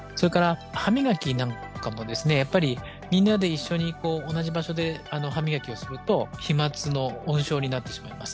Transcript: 歯磨きなんかもみんなで一緒に同じ場所で歯磨きをすると飛まつの温床になってしまいます。